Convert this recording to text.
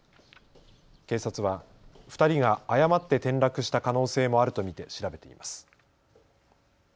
警察は２人が誤って転落した可能性もあると見て調べています。